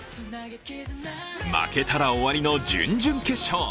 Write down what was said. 負けたら終わりの準々決勝。